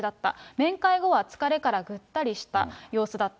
面会後は疲れからぐったりした様子だった。